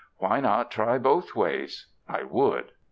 Why not try both ways? I would.